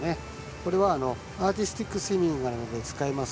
これは、アーティスティックスイミングなどで使います